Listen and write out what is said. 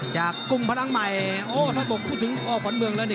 กุ้งพลังใหม่โอ้ถ้าบอกพูดถึงอ้อขวัญเมืองแล้วนี่